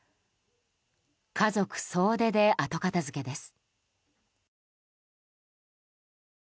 家族総出で後片付けです。